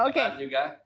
selamat malam juga